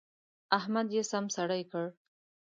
احمد يې سم سړی کړ.